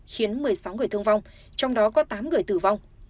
khiến một mươi sáu người thương vong trong đó có tám người tử vong